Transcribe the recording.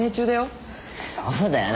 そうだよな。